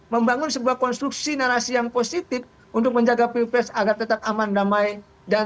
membangun sebuah konstruksi narasi yang positif untuk menjaga pilpres agar tetap aman damai dan